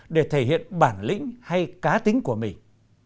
để thể hiện bản lĩnh hay cá tính của mình